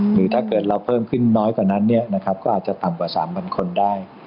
หรือถ้าเกิดเราเพิ่มขึ้นน้อยกว่านั้นก็อาจจะต่ำกว่า๓๐๐คนได้